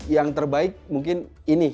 yang terbaik mungkin ini